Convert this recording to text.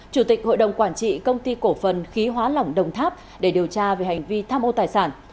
chủ tịch hội đồng quản trị công ty cổ phần khí hóa lỏng đồng tháp để điều tra về hành vi tham ô tài sản